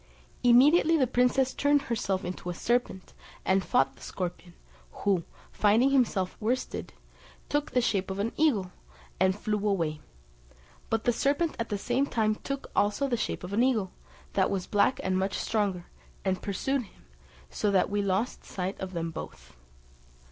Immediately the princess turned herself into a serpent, and fought the scorpion, who, finding himself worsted, took the shape of an eagle, and flew away: but the serpent at the same time took also the shape of an eagle, that was black and much stronger, and pursued him, so that we lost sight of them both.